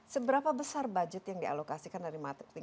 seberapa besar budget yang dialokasikan dari marketing